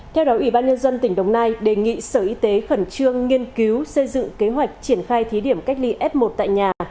theo đó ủy ban nhân dân tỉnh đồng nai đề nghị sở y tế khẩn trương nghiên cứu xây dựng kế hoạch triển khai thí điểm cách ly f một tại nhà